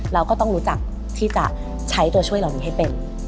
เราก็ต้องรู้จักที่จะใช้ตัวช่วยเหล่านี้ให้เป็น